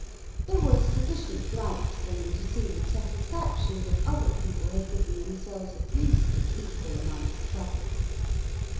There was sufficient light for me to see with satisfaction that other people had given themselves at least an equal amount of trouble.